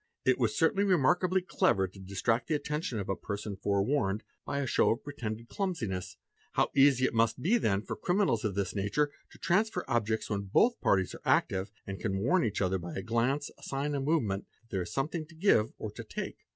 It was certainly remarkably clever to distract — the attention of a person fore warned, by a show of pretended clumsiness. How easy it must be then for criminals of this nature to transfer objects when both parties are active and can warn each other by a glance, a sign, i a movement, that there is something to give or to take.